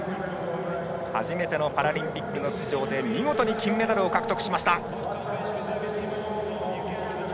初めてのパラリンピックの出場で見事に金メダルを獲得しました。